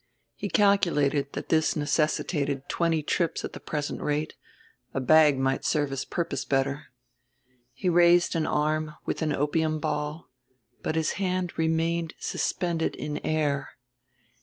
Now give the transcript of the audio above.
He calculated that this necessitated twenty trips at the present rate a bag might serve his purpose better. He raised an arm with an opium ball, but his hand remained suspended in air.